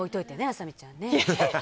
あさ美ちゃんね。